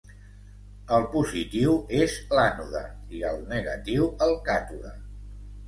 El positiu és l'ànode, i el negatiu el càtode.